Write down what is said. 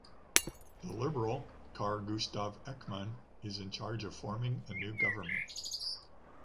The liberal, Car Gustav Ekman is in charge of forming a new government.